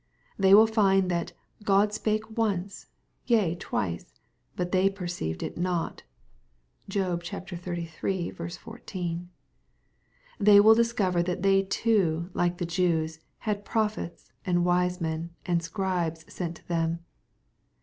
They will find that " God spake once, yea twice, but they perceived it not.'' (Job xxxiii. 14.) They will discover that they too, like the Jews, had prophets, and wise men, and Scribes sent to them.